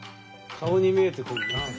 顔に見えてくるなあ。